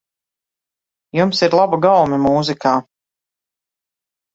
Jums ir laba gaume mūzikā.